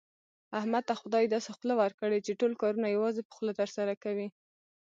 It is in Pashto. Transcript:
احمد ته خدای داسې خوله ورکړې، چې ټول کارونه یوازې په خوله ترسره کوي.